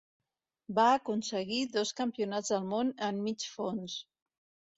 Va aconseguir dos Campionats del món en Mig Fons.